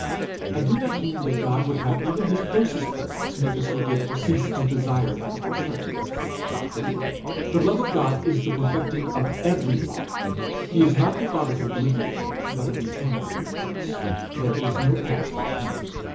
I do not mean that God would have even his closest presence make us forget or cease to desire that of our friend. God forbid! The love of God is the perfecting of every love. He is not the God of oblivion, but of eternal remembrance. There is no past with him.